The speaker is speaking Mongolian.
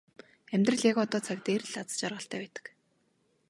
Амьдрал яг одоо цаг дээр л аз жаргалтай байдаг.